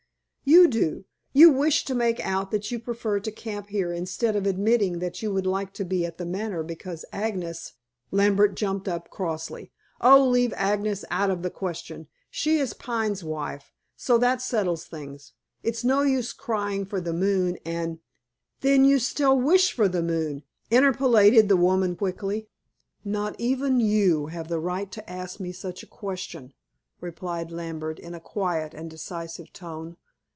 "You do. You wish to make out that you prefer to camp here instead of admitting that you would like to be at The Manor because Agnes " Lambert jumped up crossly. "Oh, leave Agnes out of the question. She is Pine's wife, so that settles things. It's no use crying for the moon, and " "Then you still wish for the moon," interpolated the woman quickly. "Not even you have the right to ask me such a question," replied Lambert in a quiet and decisive tone.